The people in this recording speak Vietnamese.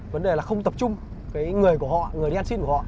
vấn đề là không tập trung cái người của họ người ăn xin của họ